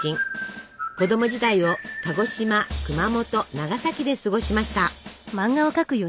子供時代を鹿児島熊本長崎で過ごしました。